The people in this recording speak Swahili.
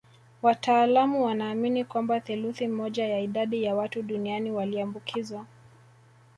Wataalamu wanaamini kwamba theluthi moja ya idadi ya watu duniani waliambukizwa